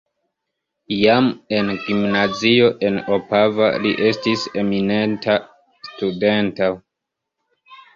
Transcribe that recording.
Jam en gimnazio en Opava li estis eminenta studento.